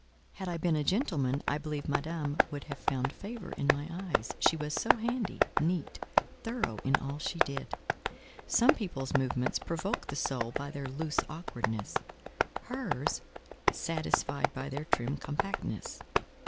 Had I been a gentleman I believe Madame would have found favour in my eyes, she was so handy, neat, thorough in all she did: some people's movements provoke the soul by their loose awkwardness, hers—satisfied by their trim compactness.